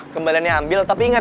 kembaliannya ambil tapi inget